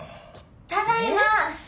ただいま。